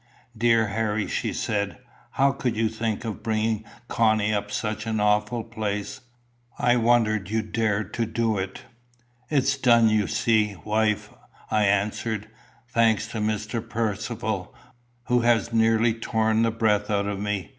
"Dear Harry," she said, "how could you think of bringing Connie up such an awful place? I wonder you dared to do it." "It's done you see, wife," I answered, "thanks to Mr. Percivale, who has nearly torn the breath out of me.